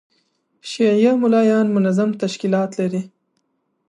شیعه مُلایان منظم تشکیلات لري.